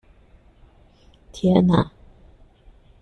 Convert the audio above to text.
天啊！